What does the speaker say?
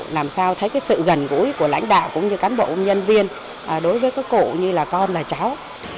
làm sao thấy sự gần gũi của lãnh đạo cũng như cán bộ công nhân viên đối với các cụ như là con là cháu